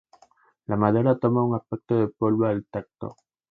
La madera toma un aspecto de polvo al tacto.